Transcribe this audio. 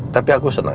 tapi aku seneng